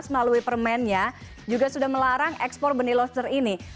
dua ribu enam belas melalui permennya juga sudah melarang ekspor benih lobster ini